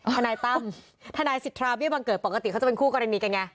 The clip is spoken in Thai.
ทนายตั้มทนายสิทธาเบี้ยบังเกิดปกติเขาจะเป็นคู่กรณีกันไง